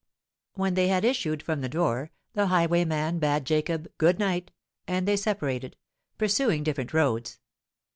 When they had issued from the door, the highwayman bade Jacob "Good night;" and they separated—pursuing different roads.